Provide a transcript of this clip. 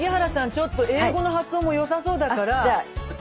ちょっと英語の発音もよさそうだから。